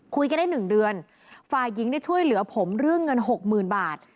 คุยกันได้๑เดือนฝ่ายหญิงได้ช่วยเหลือผมเรื่องเงินหกหมื่นบาท